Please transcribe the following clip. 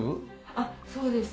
あっそうです。